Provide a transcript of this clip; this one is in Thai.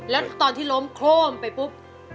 แล้วตอนที่ล้มโคร่มไปปุ๊บ